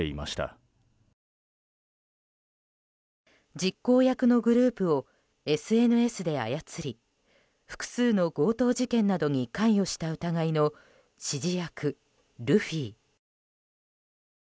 実行役のグループをＳＮＳで操り複数の強盗事件に関与した疑いの指示役、ルフィ。